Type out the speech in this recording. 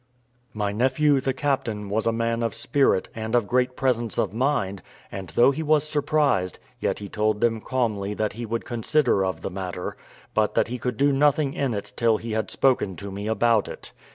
My nephew, the captain, was a man of spirit, and of great presence of mind; and though he was surprised, yet he told them calmly that he would consider of the matter, but that he could do nothing in it till he had spoken to me about it.